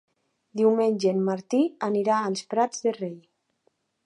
Diumenge en Martí anirà als Prats de Rei.